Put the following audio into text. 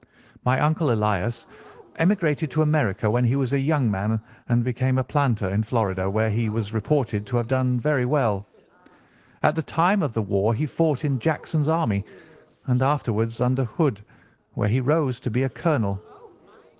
"My uncle Elias emigrated to America when he was a young man and became a planter in Florida, where he was reported to have done very well. At the time of the war he fought in Jackson's army, and afterwards under Hood, where he rose to be a colonel.